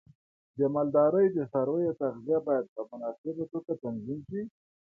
د مالدارۍ د څارویو تغذیه باید په مناسبه توګه تنظیم شي.